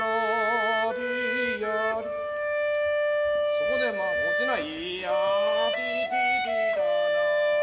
そこで落ちない。